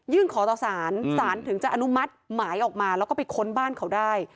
ขอต่อสารศาลถึงจะอนุมัติหมายออกมาแล้วก็ไปค้นบ้านเขาได้